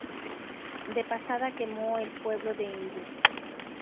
De pasada quemó el pueblo de indios.